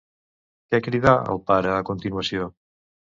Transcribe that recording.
Què cridà el pare a continuació?